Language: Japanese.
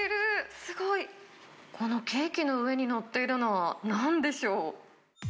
すごい、このケーキの上に載っているのはなんでしょう。